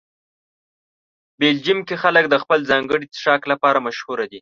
بلجیم کې خلک د خپل ځانګړي څښاک لپاره مشهوره دي.